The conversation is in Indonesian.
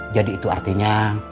jadi itu artinya